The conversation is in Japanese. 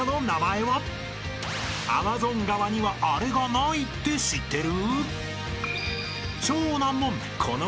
［アマゾン川にはあれがないって知ってる？］